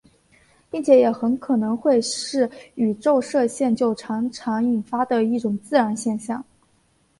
并且也很可能会是宇宙射线就常常引发的一种自然现象。